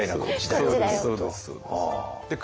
そうです